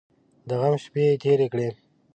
د غم شپې یې تېرې کړې.